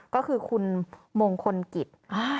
ก็คือคุณมงคลกิจ